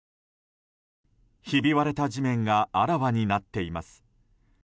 ひび割れた地面があらわになっています。